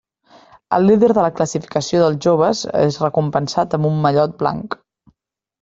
El líder de la classificació dels joves és recompensat amb un mallot blanc.